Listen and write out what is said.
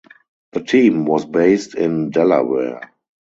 The team was based in Delaware.